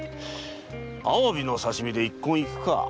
アワビの刺身で一献いくか。